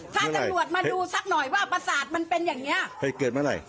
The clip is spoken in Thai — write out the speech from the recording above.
ถ้าตำรวจมาดูสักหน่อยว่าประสาทมันเป็นอย่างนี้เหตุเกิดเมื่อไหร่